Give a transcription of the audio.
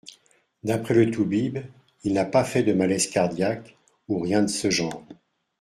D’après le toubib, il n’a pas fait de malaise cardiaque, ou rien de ce genre.